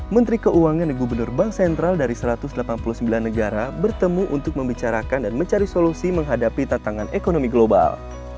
menteri keuangan dan gubernur bank sentral dari satu ratus delapan puluh sembilan negara bertemu untuk membicarakan dan mencari solusi menghadapi tantangan ekonomi global